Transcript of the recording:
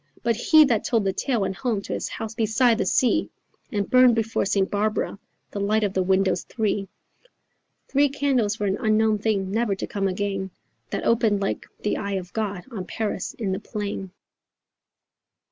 But he that told the tale went home to his house beside the sea And burned before St. Barbara, the light of the windows three, Three candles for an unknown thing, never to come again, That opened like the eye of God on Paris in the plain.